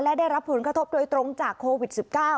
และได้รับผลกระทบโดยตรงจากโควิด๑๙